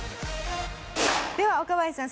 では若林さん